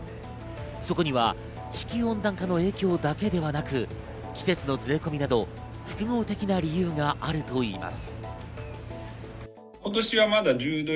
そこには地球温暖化の影響だけではなく、季節のずれ込みなど、複合的な理由があるといいます。